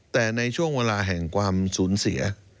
แต่ในช่วงเวลาแห่งความสูญเสีย